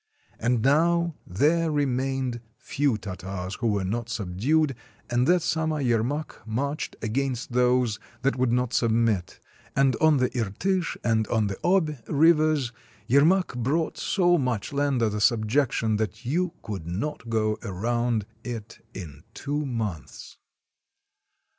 And now there remained few Tartars who were not subdued, and that summer Yermak marched against those that would not submit, and on the Irtish and on the Obi Rivers Yermak brought so much land under subjection that you could not go around it in two months.